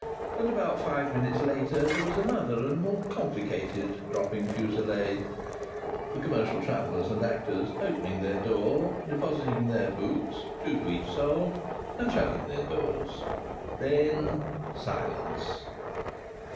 And about five minutes later there was another and more complicated dropping fusillade the commercial travellers and actors opening their doors, depositing their boots (two to each soul), and shutting their doors. Then silence.